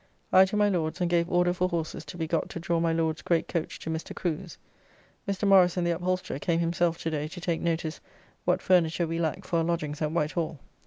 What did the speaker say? I to my Lord's and gave order for horses to be got to draw my Lord's great coach to Mr. Crew's. Mr. Morrice the upholsterer came himself to day to take notice what furniture we lack for our lodgings at Whitehall.